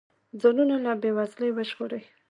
ځانونه له بې وزلۍ وژغوري.